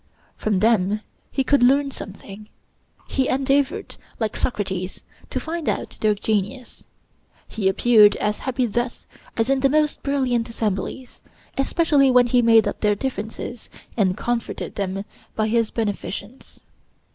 From them he could learn something; he endeavored, like Socrates, to find out their genius; he appeared as happy thus as in the most brilliant assemblies, especially when he made up their differences, and comforted them by his beneficence.